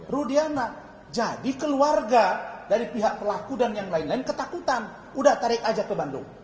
rudiana jadi keluarga dari pihak pelaku dan yang lain lain ketakutan udah tarik aja ke bandung